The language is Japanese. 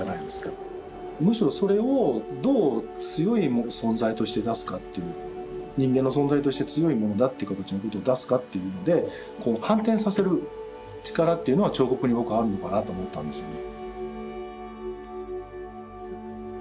むしろそれをどう強い存在として出すかっていう人間の存在として強いものだっていう形のことを出すかっていうので反転させる力っていうのは彫刻に僕はあるのかなと思ったんですよね。